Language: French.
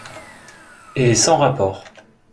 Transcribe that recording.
Et sans rapport.